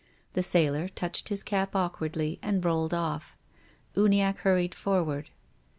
The sailor touched his cap awkwardly and rolled off. Uniacke hurried forward.